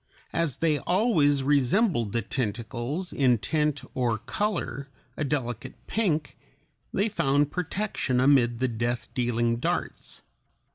As they always resembled the tentacles in tint or color, a delicate pink, they found protection amid the death dealing darts.